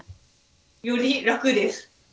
より楽です。